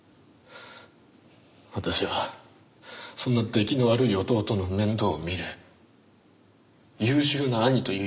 私はそんな出来の悪い弟の面倒を見る優秀な兄という役割だった。